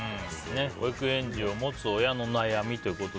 保育園児を持つ親の悩み